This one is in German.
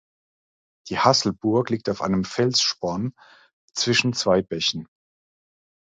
Die Hasselburg liegt auf einem Felssporn zwischen zwei Bächen.